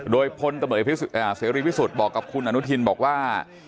โดยพลตำรวจเอกเสรีพิสุทธิ์บอกกับคุณอนุทินบอกว่า